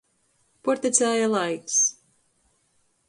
Puortecēja laiks.